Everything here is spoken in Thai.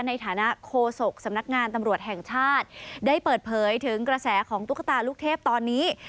ในฐานะโคศกสำนักงานตำรวจแห่งชาติได้เปิดเผยถึงกระแสของตุ๊กตาลูกเทพตอนนี้